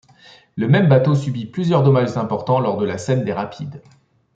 Le même bateau subit plusieurs dommages importants lors de la scène des rapides.